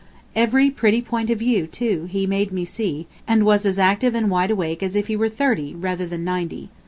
Every pretty point of view, too, he made me see, and was as active and wide awake as if he were thirty, rather than ninety.